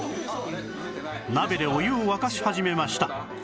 鍋でお湯を沸かし始めました